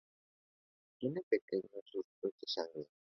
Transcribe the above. Tienen pequeños surcos de sangre.